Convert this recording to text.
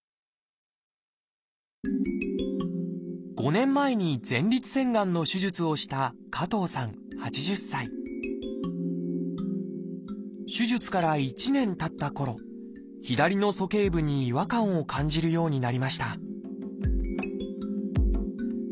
５年前に前立腺がんの手術をした手術から１年たったころ左の鼠径部に違和感を感じるようになりました